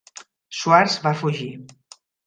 Schwartz va fugir.